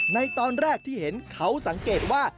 ในตอนแรกที่เห็นเขาสังเกตว่า